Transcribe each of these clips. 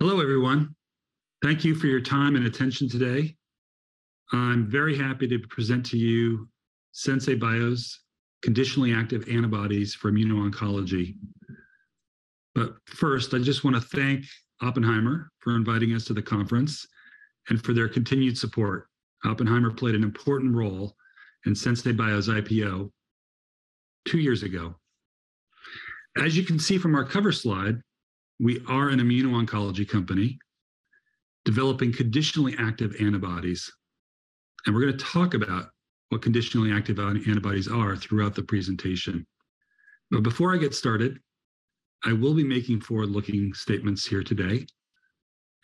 Hello, everyone. Thank you for your time and attention today. I'm very happy to present to you Sensei Bio's conditionally active antibodies for immuno-oncology. First, I just wanna thank Oppenheimer for inviting us to the conference and for their continued support. Oppenheimer played an important role in Sensei Bio's IPO 2 years ago. As you can see from our cover slide, we are an immuno-oncology company developing conditionally active antibodies, and we're gonna talk about what conditionally active antibodies are throughout the presentation. Before I get started, I will be making forward-looking statements here today,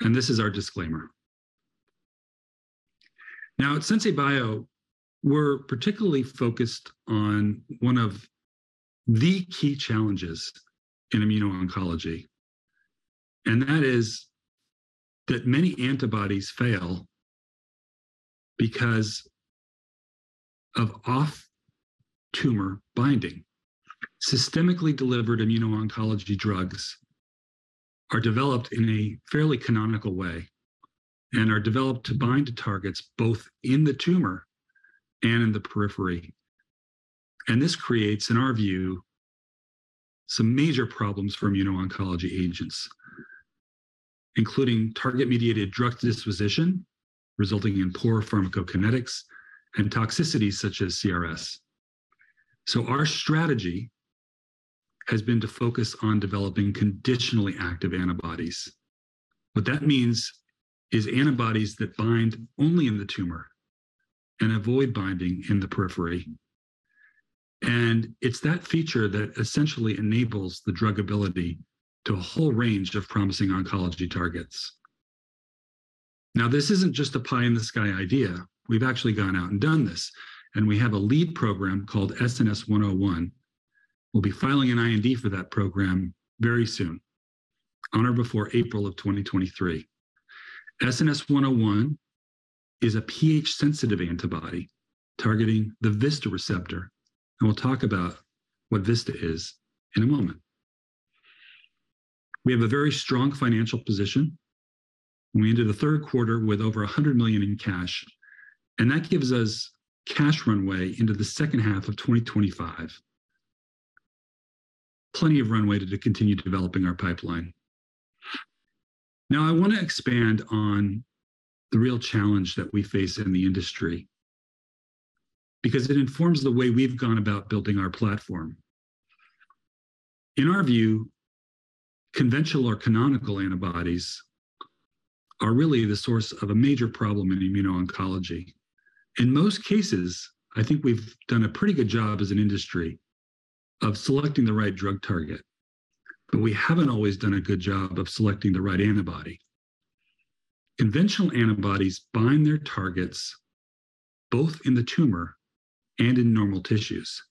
and this is our disclaimer. At Sensei Bio, we're particularly focused on one of the key challenges in immuno-oncology, and that is that many antibodies fail because of off-tumor binding. Systemically delivered immuno-oncology drugs are developed in a fairly canonical way and are developed to bind to targets both in the tumor and in the periphery. This creates, in our view, some major problems for immuno-oncology agents, including target-mediated drug disposition resulting in poor pharmacokinetics and toxicities such as CRS. Our strategy has been to focus on developing conditionally active antibodies. What that means is antibodies that bind only in the tumor and avoid binding in the periphery. It's that feature that essentially enables the drug ability to a whole range of promising oncology targets. This isn't just a pie in the sky idea. We've actually gone out and done this, and we have a lead program called SNS-101. We'll be filing an IND for that program very soon, on or before April of 2023. SNS-101 is a pH-sensitive antibody targeting the VISTA receptor. We'll talk about what VISTA is in a moment. We have a very strong financial position. We ended the third quarter with over $100 million in cash. That gives us cash runway into the second half of 2025. Plenty of runway to continue developing our pipeline. Now, I wanna expand on the real challenge that we face in the industry because it informs the way we've gone about building our platform. In our view, conventional or canonical antibodies are really the source of a major problem in immuno-oncology. In most cases, I think we've done a pretty good job as an industry of selecting the right drug target, we haven't always done a good job of selecting the right antibody. Conventional antibodies bind their targets both in the tumor and in normal tissues,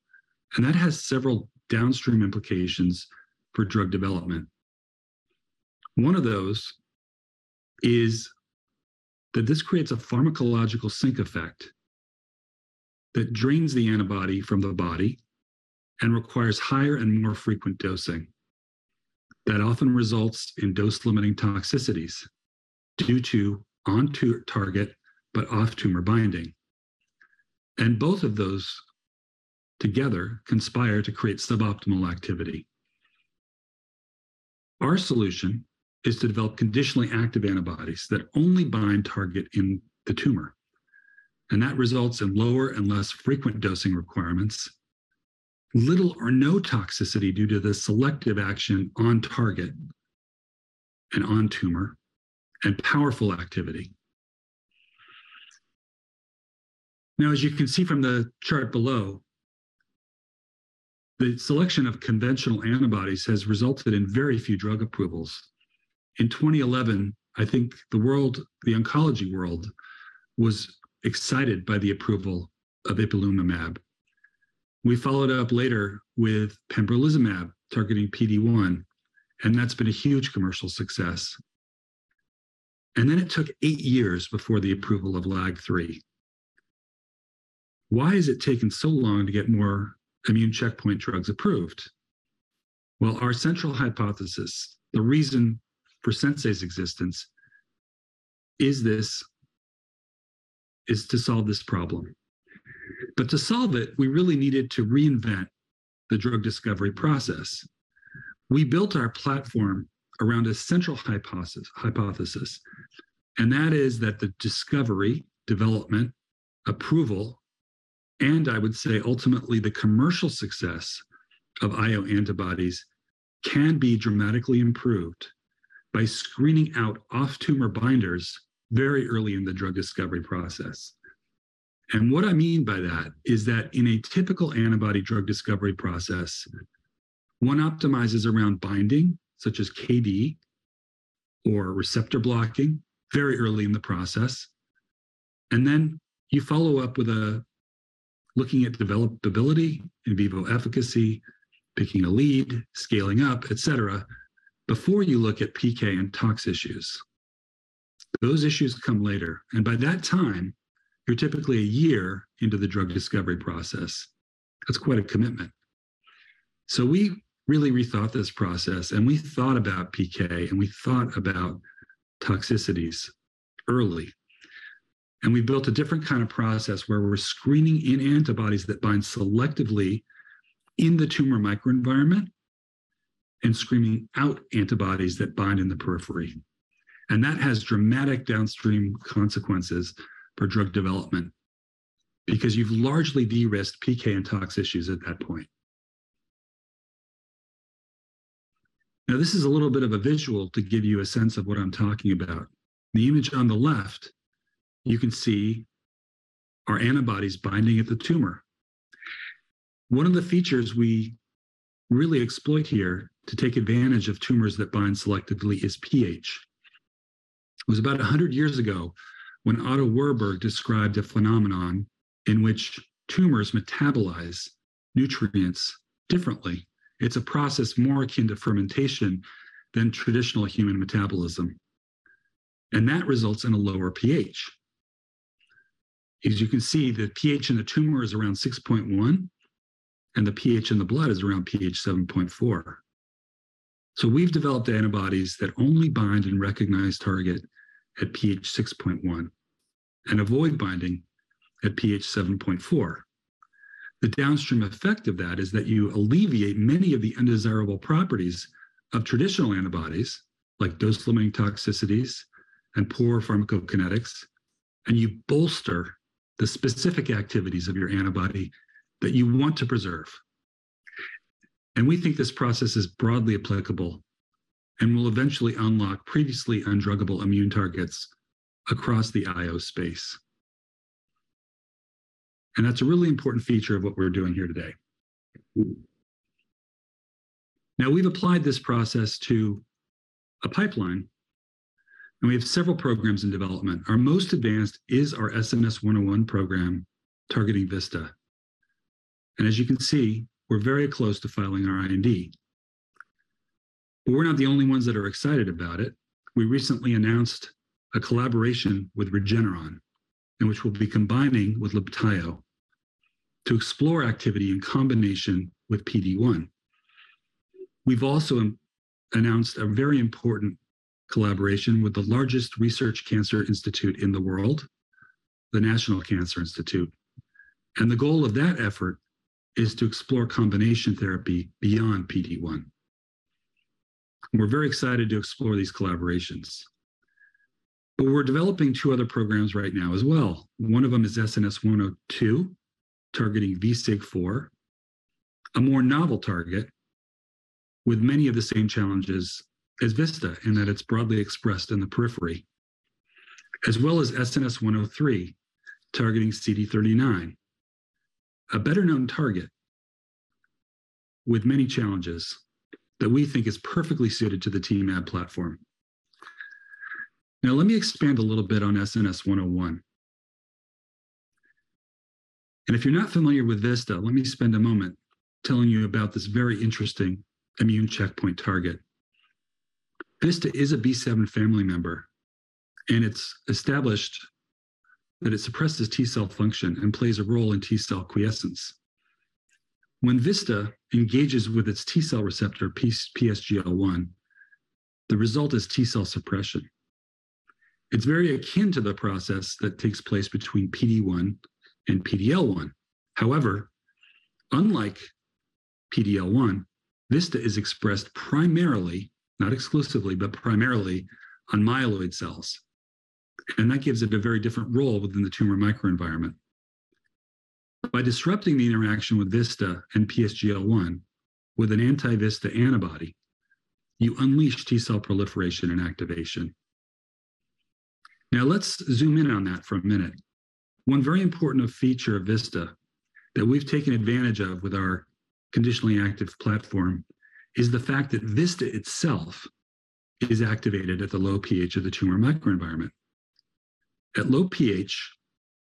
that has several downstream implications for drug development. One of those is that this creates a pharmacological sink effect that drains the antibody from the body and requires higher and more frequent dosing that often results in dose-limiting toxicities due to on-target but off-tumor binding. Both of those together conspire to create suboptimal activity. Our solution is to develop conditionally active antibodies that only bind target in the tumor, and that results in lower and less frequent dosing requirements, little or no toxicity due to the selective action on target and on tumor, and powerful activity. Now, as you can see from the chart below, the selection of conventional antibodies has resulted in very few drug approvals. In 2011, I think the world, the oncology world was excited by the approval of ipilimumab. We followed up later with pembrolizumab targeting PD-1. That's been a huge commercial success. It took 8 years before the approval of LAG-3. Why has it taken so long to get more immune checkpoint drugs approved? Our central hypothesis, the reason for Sensei's existence, is to solve this problem. To solve it, we really needed to reinvent the drug discovery process. We built our platform around a central hypothesis. That is that the discovery, development, approval, and I would say ultimately the commercial success of IO antibodies can be dramatically improved by screening out off-tumor binders very early in the drug discovery process. What I mean by that is that in a typical antibody drug discovery process, one optimizes around binding, such as KD or receptor blocking, very early in the process. Then you follow up with a. looking at developability, in vivo efficacy, picking a lead, scaling up, etc., before you look at PK and tox issues. Those issues come later, and by that time, you're typically a year into the drug discovery process. That's quite a commitment. We really rethought this process, and we thought about PK, and we thought about toxicities early. We built a different kind of process where we're screening in antibodies that bind selectively in the tumor microenvironment and screening out antibodies that bind in the periphery. That has dramatic downstream consequences for drug development because you've largely de-risked PK and tox issues at that point. This is a little bit of a visual to give you a sense of what I'm talking about. The image on the left, you can see our antibodies binding at the tumor. One of the features we really exploit here to take advantage of tumors that bind selectively is pH. It was about 100 years ago when Otto Warburg described a phenomenon in which tumors metabolize nutrients differently. It's a process more akin to fermentation than traditional human metabolism. That results in a lower pH. As you can see, the pH in the tumor is around 6.1, and the pH in the blood is around pH 7.4. We've developed antibodies that only bind and recognize target at pH 6.1 and avoid binding at pH 7.4. The downstream effect of that is that you alleviate many of the undesirable properties of traditional antibodies, like dose-limiting toxicities and poor pharmacokinetics, and you bolster the specific activities of your antibody that you want to preserve. We think this process is broadly applicable and will eventually unlock previously undruggable immune targets across the IO space. That's a really important feature of what we're doing here today. Now, we've applied this process to a pipeline, and we have several programs in development. Our most advanced is our SNS-101 program targeting VISTA. As you can see, we're very close to filing our IND. That is that the discovery, development, approval, and I would say ultimately the commercial success of IO antibodies can be dramatically improved by screening out off-tumor binders very early in the drug discovery process. We've also announced a very important collaboration with the largest research cancer institute in the world, the National Cancer Institute. The goal of that effort is to explore combination therapy beyond PD-1. We're very excited to explore these collaborations. We're developing two other programs right now as well. One of them is SNS-102, targeting VSIG4, a more novel target with many of the same challenges as VISTA in that it's broadly expressed in the periphery, as well as SNS-103, targeting CD39, a better-known target with many challenges that we think is perfectly suited to the TMAb platform. Let me expand a little bit on SNS-101. If you're not familiar with VISTA, let me spend a moment telling you about this very interesting immune checkpoint target. VISTA is a B7 family member, and it's established that it suppresses T-cell function and plays a role in T-cell quiescence. When VISTA engages with its T-cell receptor PSGL-1, the result is T-cell suppression. It's very akin to the process that takes place between PD-1 and PD-L1. Unlike PD-L1, VISTA is expressed primarily, not exclusively, but primarily on myeloid cells, and that gives it a very different role within the tumor microenvironment. By disrupting the interaction with VISTA and PSGL-1 with an anti-VISTA antibody, you unleash T-cell proliferation and activation. Let's zoom in on that for a minute. One very important feature of VISTA that we've taken advantage of with our conditionally active platform is the fact that VISTA itself is activated at the low pH of the tumor microenvironment. At low pH,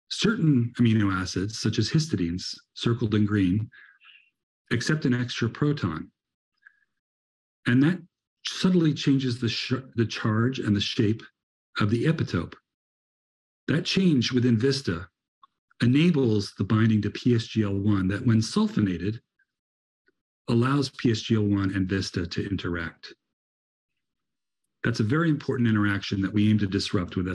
certain amino acids, such as histidines, circled in green, accept an extra proton, and that subtly changes the charge and the shape of the epitope. That change within VISTA enables the binding to PSGL-1 that when sulfonated allows PSGL-1 and VISTA to interact. That's a very important interaction that we aim to disrupt with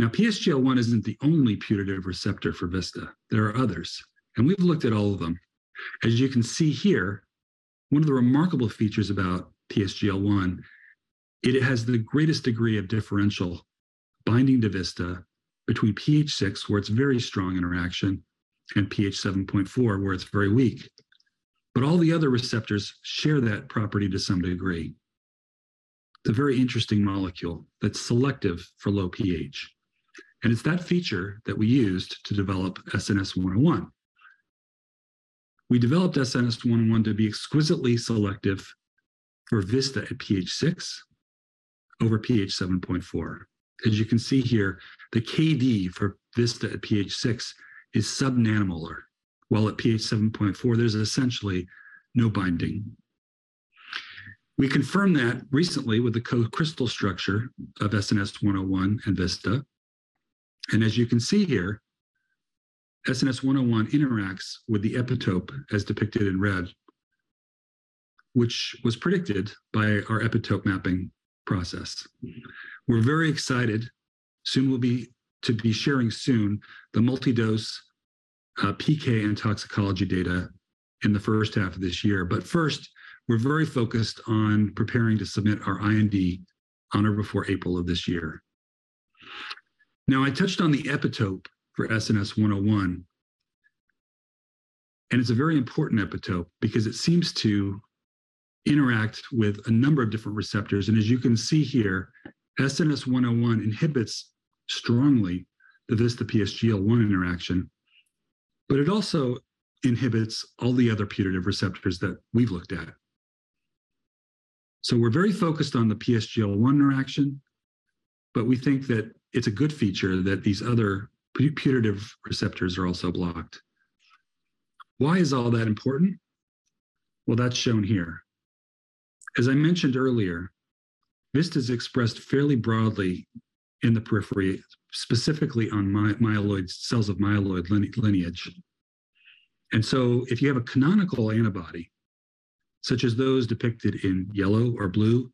SNS-101. PSGL-1 isn't the only putative receptor for VISTA. There are others, we've looked at all of them. As you can see here, one of the remarkable features about PSGL-1, it has the greatest degree of differential binding to VISTA between pH 6, where it's very strong interaction, and pH 7.4, where it's very weak. All the other receptors share that property to some degree. It's a very interesting molecule that's selective for low pH, and it's that feature that we used to develop SNS-101. We developed SNS-101 to be exquisitely selective for VISTA at pH 6 over pH 7.4. As you can see here, the KD for VISTA at pH 6 is sub-nanomolar. While at pH 7.4, there's essentially no binding. We confirmed that recently with the co-crystal structure of SNS-101 and VISTA. As you can see here, SNS-101 interacts with the epitope as depicted in red, which was predicted by our epitope mapping process. We're very excited. Soon we'll be sharing soon the multi-dose PK and toxicology data in the first half of this year. First, we're very focused on preparing to submit our IND on or before April of this year. I touched on the epitope for SNS-101, and it's a very important epitope because it seems to interact with a number of different receptors. As you can see here, SNS-101 inhibits strongly the VISTA-PSGL-1 interaction, but it also inhibits all the other putative receptors that we've looked at. We're very focused on the PSGL-1 interaction, but we think that it's a good feature that these other putative receptors are also blocked. Why is all that important? That's shown here. As I mentioned earlier, VISTA is expressed fairly broadly in the periphery, specifically on myeloid cells of myeloid lineage. If you have a canonical antibody, such as those depicted in yellow or blue,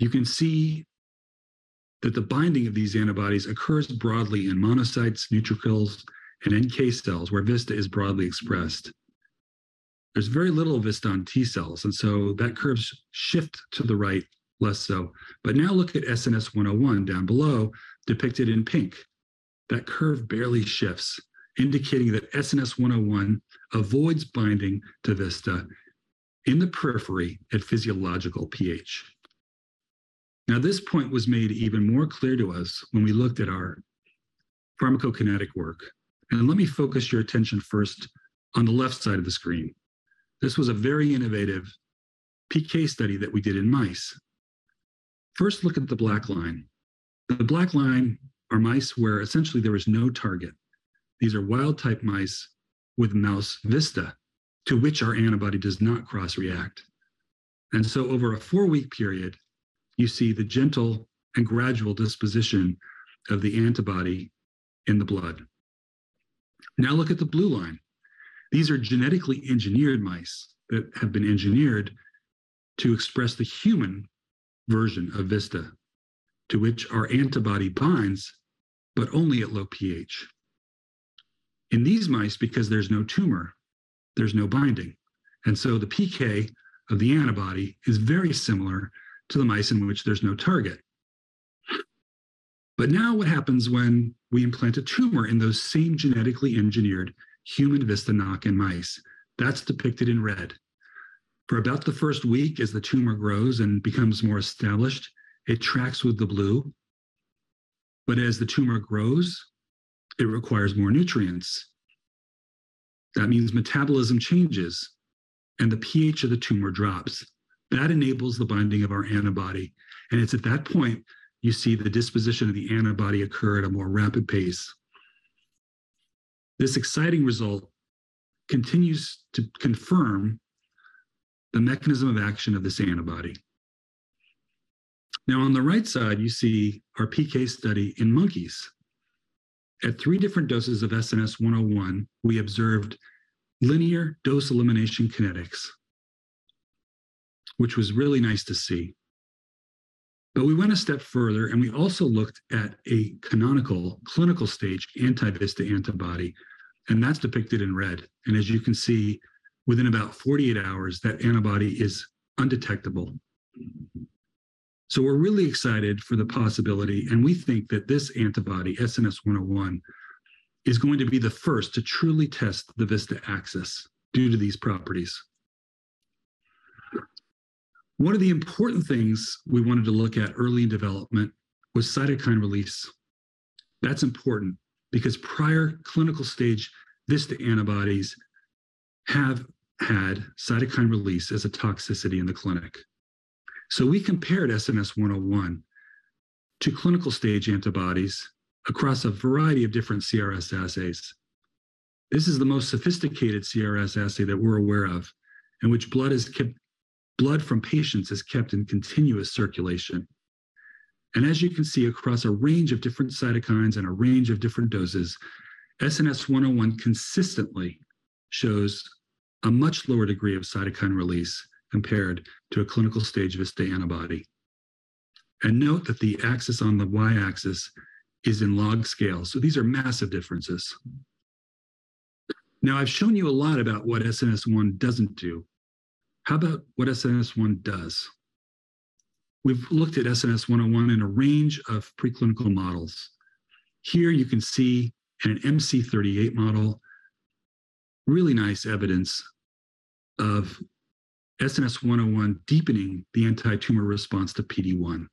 you can see that the binding of these antibodies occurs broadly in monocytes, neutrophils, and NK cells where VISTA is broadly expressed. There's very little VISTA on T-cells, that curves shift to the right less so. Now look at SNS-101 down below depicted in pink. That curve barely shifts, indicating that SNS-101 avoids binding to VISTA in the periphery at physiological pH. This point was made even more clear to us when we looked at our pharmacokinetic work. Let me focus your attention first on the left side of the screen. This was a very innovative PK study that we did in mice. First, look at the black line. The black line are mice where essentially there is no target. These are wild-type mice with mouse VISTA, to which our antibody does not cross-react. Over a 4-week period, you see the gentle and gradual disposition of the antibody in the blood. Now look at the blue line. These are genetically engineered mice that have been engineered to express the human version of VISTA, to which our antibody binds, but only at low pH. In these mice, because there's no tumor, there's no binding, and so the PK of the antibody is very similar to the mice in which there's no target. What happens when we implant a tumor in those same genetically engineered human VISTA-knockin mice? That's depicted in red. For about the first week, as the tumor grows and becomes more established, it tracks with the blue. As the tumor grows, it requires more nutrients. That means metabolism changes and the pH of the tumor drops. That enables the binding of our antibody, and it's at that point you see the disposition of the antibody occur at a more rapid pace. This exciting result continues to confirm the mechanism of action of this antibody. Now, on the right side, you see our PK study in monkeys. At three different doses of SNS-101, we observed linear dose elimination kinetics, which was really nice to see. We went a step further, and we also looked at a canonical clinical stage anti-VISTA antibody, and that's depicted in red. As you can see, within about 48 hours, that antibody is undetectable. We're really excited for the possibility, and we think that this antibody, SNS-101, is going to be the first to truly test the VISTA axis due to these properties. One of the important things we wanted to look at early in development was cytokine release. That's important because prior clinical stage VISTA antibodies have had cytokine release as a toxicity in the clinic. We compared SNS-101 to clinical stage antibodies across a variety of different CRS assays. This is the most sophisticated CRS assay that we're aware of, in which blood from patients is kept in continuous circulation. As you can see across a range of different cytokines and a range of different doses, SNS-101 consistently shows a much lower degree of cytokine release compared to a clinical stage VISTA antibody. Note that the axis on the y-axis is in log scale, so these are massive differences. Now, I've shown you a lot about what SNS-1 doesn't do. How about what SNS-1 does? We've looked at SNS-101 in a range of preclinical models. Here you can see in an MC38 model really nice evidence of SNS-101 deepening the anti-tumor response to PD-1,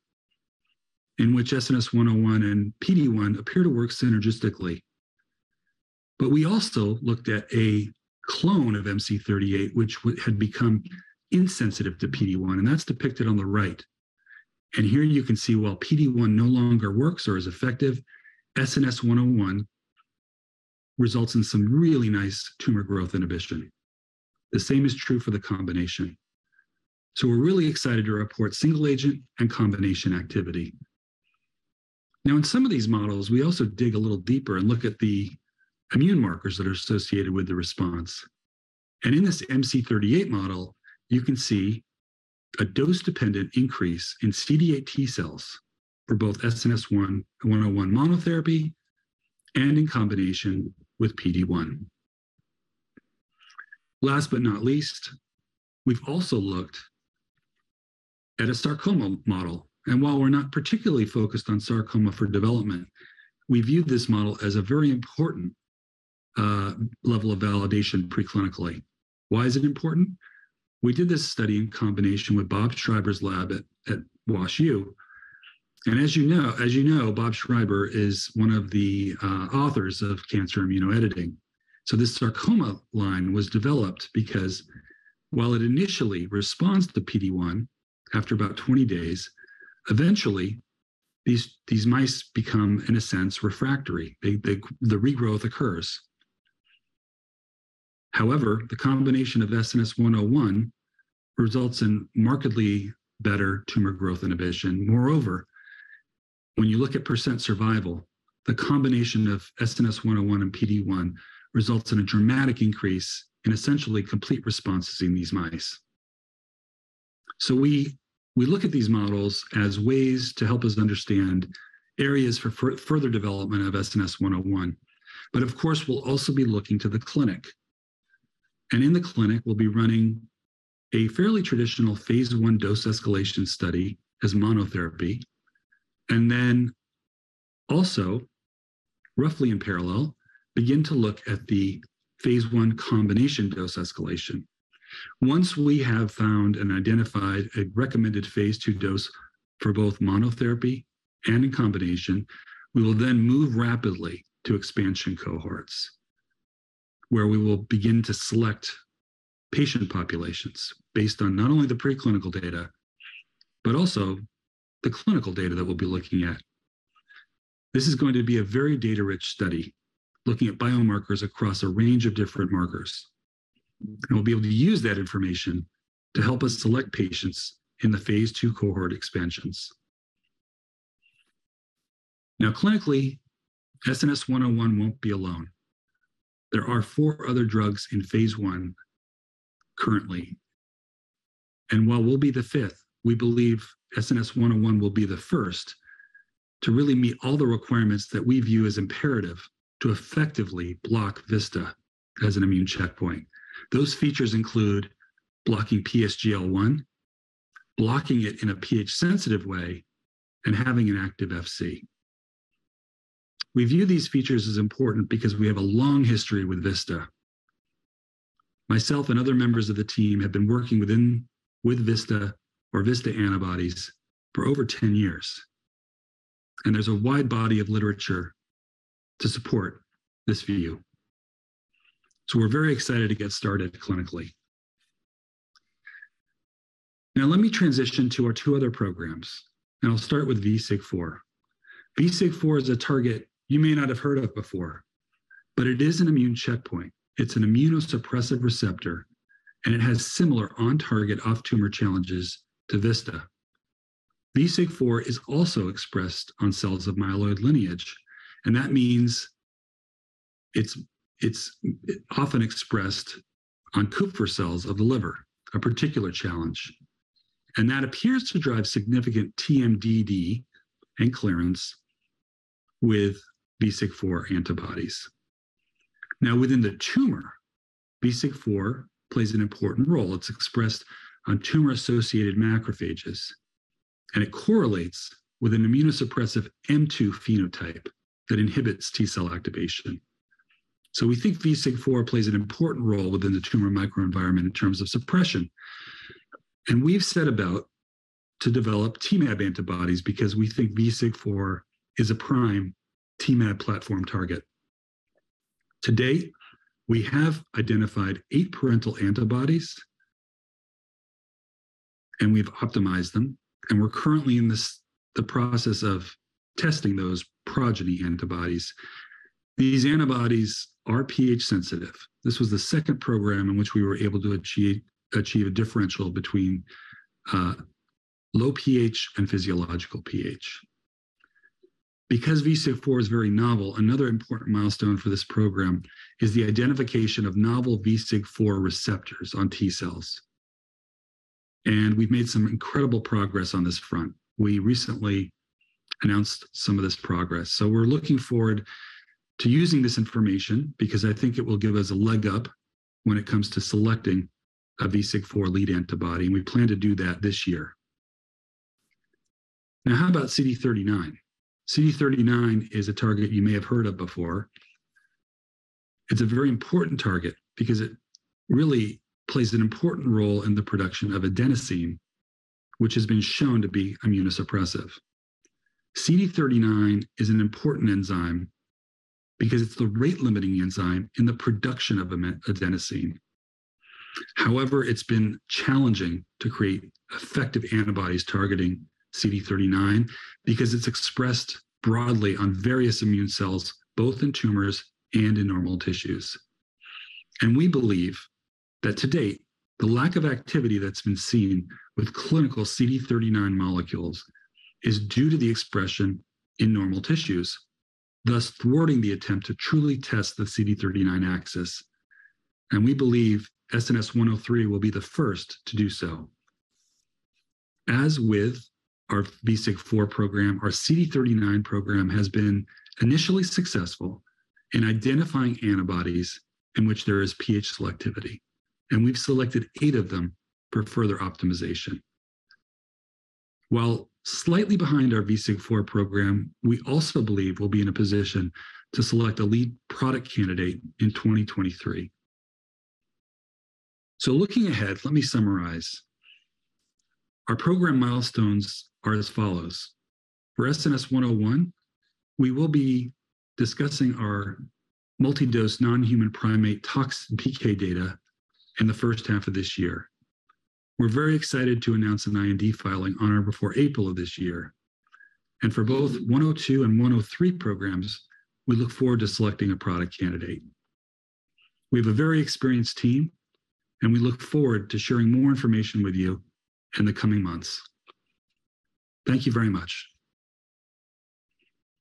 in which SNS-101 and PD-1 appear to work synergistically. We also looked at a clone of MC38 which had become insensitive to PD-1, and that's depicted on the right. Here you can see while PD-1 no longer works or is effective, SNS-101 results in some really nice tumor growth inhibition. The same is true for the combination. We're really excited to report single agent and combination activity. In some of these models, we also dig a little deeper and look at the immune markers that are associated with the response. In this MC38 model, you can see a dose-dependent increase in CD8 T cells for both SNS-101 monotherapy and in combination with PD-1. Last but not least, we've also looked at a sarcoma model. While we're not particularly focused on sarcoma for development, we view this model as a very important level of validation preclinically. Why is it important? We did this study in combination with Bob Schreiber's lab at Wash U. As you know, Bob Schreiber is one of the authors of cancer immunoediting. This sarcoma line was developed because while it initially responds to PD-1 after about 20 days, eventually these mice become, in a sense, refractory. The regrowth occurs. However, the combination of SNS-101 results in markedly better tumor growth inhibition. Moreover, when you look at percent survival, the combination of SNS-101 and PD-1 results in a dramatic increase in essentially complete responses in these mice. We look at these models as ways to help us understand areas for further development of SNS-101. Of course, we'll also be looking to the clinic. In the clinic, we'll be running a fairly traditional phase 1 dose escalation study as monotherapy, and then also roughly in parallel, begin to look at the phase 1 combination dose escalation. Once we have found and identified a recommended phase II dose for both monotherapy and in combination, we will then move rapidly to expansion cohorts, where we will begin to select patient populations based on not only the preclinical data, but also the clinical data that we'll be looking at. This is going to be a very data-rich study looking at biomarkers across a range of different markers. We'll be able to use that information to help us select patients in the phase two cohort expansions. Clinically, SNS-101 won't be alone. There are four other drugs in phase I currently. While we'll be the fifth, we believe SNS-101 will be the first to really meet all the requirements that we view as imperative to effectively block VISTA as an immune checkpoint. Those features include blocking PSGL-1, blocking it in a pH-sensitive way, and having an active Fc. We view these features as important because we have a long history with VISTA. Myself and other members of the team have been working with VISTA or VISTA antibodies for over 10 years. There's a wide body of literature to support this view. We're very excited to get started clinically. Now let me transition to our 2 other programs. I'll start with VSIG4. VSIG4 is a target you may not have heard of before. It is an immune checkpoint. It's an immunosuppressive receptor. It has similar on-target, off-tumor challenges to VISTA. VSIG4 is also expressed on cells of myeloid lineage. That means it's often expressed on Kupffer cells of the liver, a particular challenge. That appears to drive significant TMDD and clearance with VSIG4 antibodies. Now within the tumor, VSIG4 plays an important role. It's expressed on tumor-associated macrophages, and it correlates with an immunosuppressive M2 phenotype that inhibits T-cell activation. We think VSIG4 plays an important role within the tumor microenvironment in terms of suppression. We've set about to develop TMAb antibodies because we think VSIG4 is a prime TMAb platform target. To date, we have identified eight parental antibodies, and we've optimized them, and we're currently in the process of testing those progeny antibodies. These antibodies are pH sensitive. This was the second program in which we were able to achieve a differential between low pH and physiological pH. Because VSIG4 is very novel, another important milestone for this program is the identification of novel VSIG4 receptors on T-cells. We've made some incredible progress on this front. We recently announced some of this progress. We're looking forward to using this information because I think it will give us a leg up when it comes to selecting a VSIG4 lead antibody, and we plan to do that this year. How about CD39? CD39 is a target you may have heard of before. It's a very important target because it really plays an important role in the production of adenosine, which has been shown to be immunosuppressive. CD39 is an important enzyme because it's the rate-limiting enzyme in the production of adenosine. However, it's been challenging to create effective antibodies targeting CD39 because it's expressed broadly on various immune cells, both in tumors and in normal tissues. We believe that to date, the lack of activity that's been seen with clinical CD39 molecules is due to the expression in normal tissues, thus thwarting the attempt to truly test the CD39 axis. We believe SNS-103 will be the first to do so. As with our VSIG4 program, our CD39 program has been initially successful in identifying antibodies in which there is pH selectivity, and we've selected eight of them for further optimization. While slightly behind our VSIG4 program, we also believe we'll be in a position to select a lead product candidate in 2023. Looking ahead, let me summarize. Our program milestones are as follows. For SNS-101, we will be discussing our multi-dose non-human primate tox PK data in the first half of this year. We're very excited to announce an IND filing on or before April of this year. For both 102 and 103 programs, we look forward to selecting a product candidate. We have a very experienced team, and we look forward to sharing more information with you in the coming months. Thank you very much.